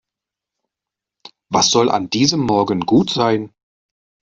Was soll an diesem Morgen gut sein?